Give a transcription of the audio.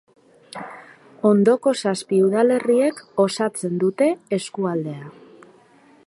Ondoko zazpi udalerriek osatzen dute eskualdea.